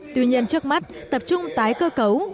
tuy nhiên trước mắt tập trung tái cơ cấu